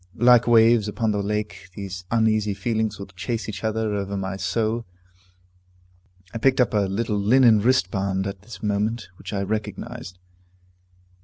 Like waves upon the lake, these uneasy feelings will chase each other over my soul. I picked up a little linen wristband at this moment, which I recognized.